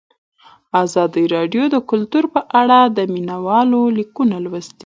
ازادي راډیو د کلتور په اړه د مینه والو لیکونه لوستي.